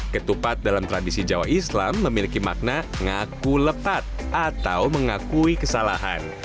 ketupat dalam tradisi jawa islam memiliki makna ngaku lepat atau mengakui kesalahan